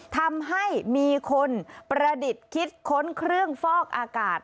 ทำให้มีคนประดิษฐ์คิดค้นเครื่องฟอกอากาศ